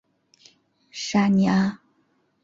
沙尼阿。